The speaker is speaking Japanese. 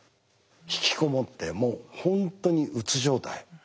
引きこもってもう本当にうつ状態。